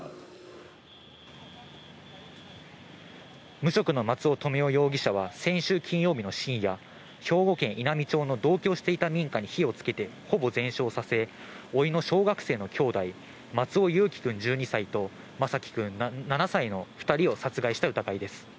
無職の松尾留与容疑者は先週金曜日の深夜、兵庫県稲美町の同居していた民家に火をつけて、ほぼ全焼させ、おいの小学生の兄弟、松尾侑城君１２歳と、眞輝君７歳の２人を殺害した疑いです。